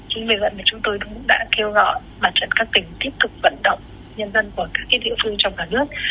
chính vì vậy chúng tôi cũng đã kêu gọi bản trận các tỉnh tiếp tục vận động nhân dân ở các địa phương trong cả nước